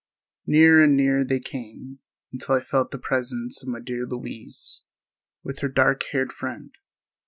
Nearer and nearer they came, until I felt the presence of my dear Louise with her dark haired friend.